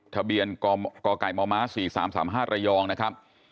ทะเบียนกไก่มม๔๓๓๕ระยองนะครับ